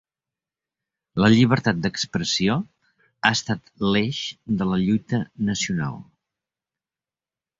La llibertat d'expressió ha estat l'eix de la lluita nacional.